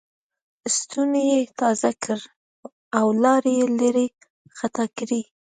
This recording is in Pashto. ستونی یې تازه کړ او لاړې یې لېرې خطا کړې.